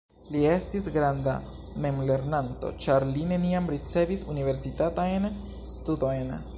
Li estis granda memlernanto ĉar li neniam ricevis universitatajn studojn.